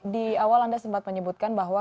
di awal anda sempat menyebutkan bahwa